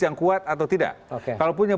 yang kuat atau tidak kalau punya